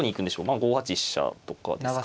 ５八飛車とかですかね。